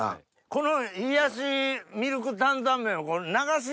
この冷やしミルク担々麺。